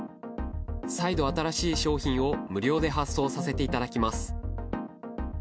再度、新しい商品を無料で発送させていただきます。